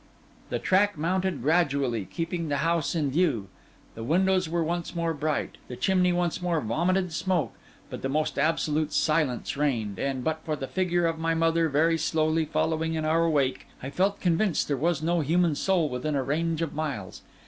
The track mounted gradually, keeping the house in view. The windows were once more bright; the chimney once more vomited smoke; but the most absolute silence reigned, and, but for the figure of my mother very slowly following in our wake, I felt convinced there was no human soul within a range of miles.